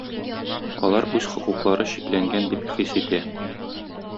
Алар үз хокуклары чикләнгән дип хис итә